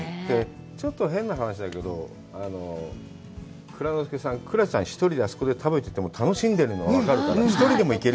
ちょっと変な話だけど、蔵之介さん、蔵ちゃん、１人であそこで食べてても楽しんでるの分かるから１人でも行ける。